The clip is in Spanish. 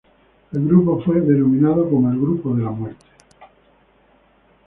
El grupo fue denominado como "el grupo de la muerte".